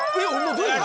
⁉どういうこと？